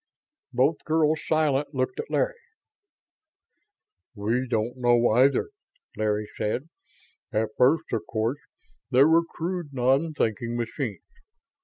Both girls, silent, looked at Larry. "We don't know, either," Larry said. "At first, of course, there were crude, non thinking machines.